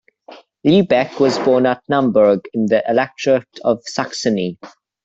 Lobeck was born at Naumburg, in the Electorate of Saxony.